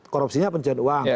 korupsinya pencucian uang